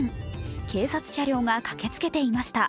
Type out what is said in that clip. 警察車両が駆けつけていました。